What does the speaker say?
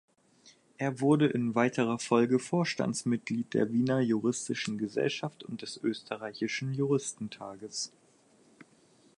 Er wurde in weiterer Folge Vorstandsmitglied der Wiener Juristischen Gesellschaft und des Österreichischen Juristentages.